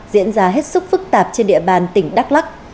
diễn ra hết sức phức tạp trên địa bàn tỉnh đắk lắc